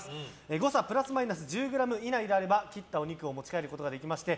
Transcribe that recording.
誤差プラスマイナス１０ｇ以内であれば切ったお肉を持ち帰ることができまして